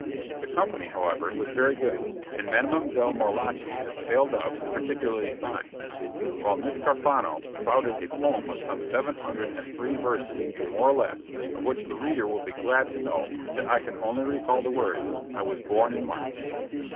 The company, however, was very good, and Mdlle. Morlacchi, as "Pale Dove," particularly fine; while Miss Cafarno "spouted" a poem of some seven hundred and three verses, more or less, of which the reader will be glad to know that I only recall the words "I was born in March."